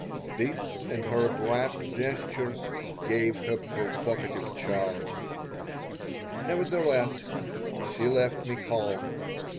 This and her abrupt gestures gave her provocative charm Nevertheless, she left me calm.